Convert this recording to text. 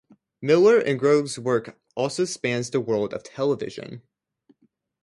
Millar and Gough's work also spans the world of television.